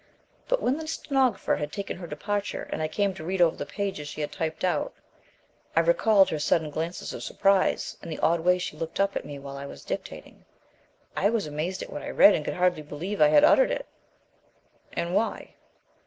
But when the stenographer had taken her departure and I came to read over the pages she had typed out, I recalled her sudden glances of surprise and the odd way she had looked up at me while I was dictating. I was amazed at what I read and could hardly believe I had uttered it." "And why?"